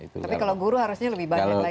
tapi kalau guru harusnya lebih banyak lagi